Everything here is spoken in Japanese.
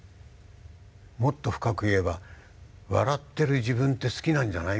もっと深く言えば笑ってる自分って好きなんじゃない？